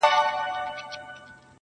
o زه یې وینمه که خاص دي او که عام دي,